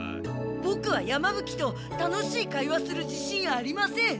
ボクは山ぶ鬼と楽しい会話するじしんありません。